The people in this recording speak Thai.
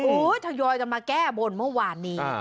โอ้โหทยอยกันมาแก้บนเมื่อวานนี้